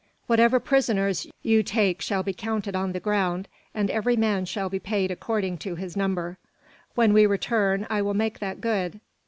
Whatever prisoners you take shall be counted on the ground, and every man shall be paid according to his number. When we return I will make that good."